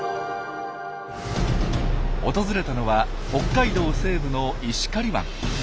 訪れたのは北海道西部の石狩湾。